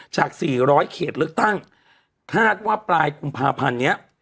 จาก๔๐๐เขตเลือกตั้งคาดว่าปลายกุมภาพันธ์นี้